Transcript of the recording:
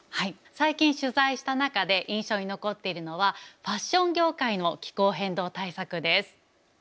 最近取材した中で印象に残っているのはファッション業界の気候変動対策です。